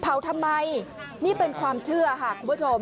ทำไมนี่เป็นความเชื่อค่ะคุณผู้ชม